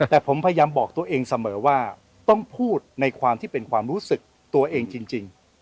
แต่ผมพยายามบอกตัวเองเสมอว่าต้องพูดในความที่เป็นความรู้สึกตัวเองจริง